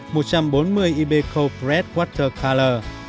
một bộ màu nước một bộ cọ vẽ màu nước hai cốc đựng nước bảng vẽ và lết tê đựng màu